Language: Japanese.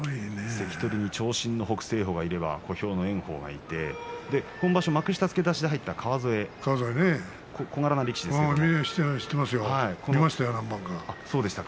関取に長身の北青鵬がいれば小兵の炎鵬がいて今場所幕下付け出しで入った川副何番か見ました。